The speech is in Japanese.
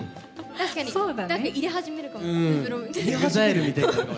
何か入れ始めるかも。